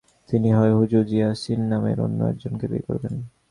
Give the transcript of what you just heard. তিনি হয় হুয়ো জিয়া-শিন নামের অন্য একজনকে বিয়ে করেন।